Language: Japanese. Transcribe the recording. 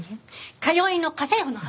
通いの家政婦の犯行。